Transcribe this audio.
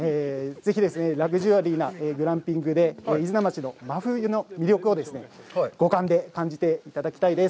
ぜひラグジュアリーなグランピングで飯綱町の真冬を五感で感じていただきたいです。